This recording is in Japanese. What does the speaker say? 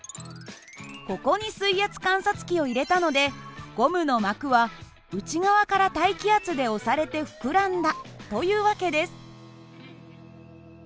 ここに水圧観察器を入れたのでゴムの膜は内側から大気圧で押されて膨らんだという訳です。